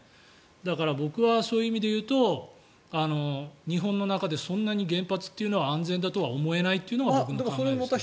だから僕はそういう意味で言うと日本の中で原発というのは安全だとは思えないというのが僕の考えですね。